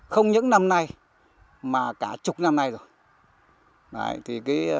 không những năm nay mà cả chục năm nay rồi